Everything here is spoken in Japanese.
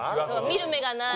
「見る目がない」。